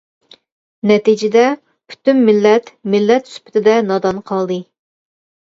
نەتىجىدە پۈتۈن مىللەت مىللەت سۈپىتىدە نادان قالدى.